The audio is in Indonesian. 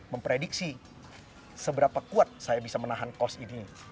memprediksi seberapa kuat saya bisa menahan kos ini